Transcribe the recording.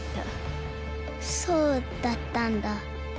そうだったんだ。